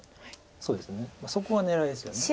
そうですねそこが狙いですよね。